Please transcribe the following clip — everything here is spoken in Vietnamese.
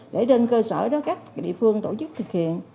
để trên cơ sở đó các địa phương tổ chức thực hiện